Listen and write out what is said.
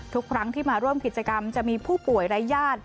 ทุกครั้งที่มาร่วมกิจกรรมจะมีผู้ป่วยและญาติ